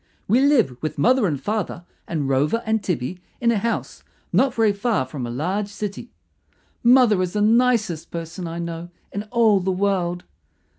We live with mother and father and Rover and Tibby in a house not very far from a large city. Mother is the nicest person I know in all the world.